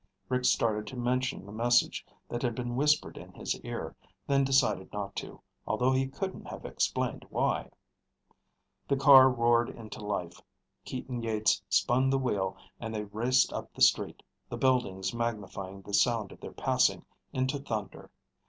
Rick started to mention the message that had been whispered in his ear, then decided not to, although he couldn't have explained why. The car roared into life. Keaton Yeats spun the wheel and they raced up the street, the buildings magnifying the sound of their passing into thunder.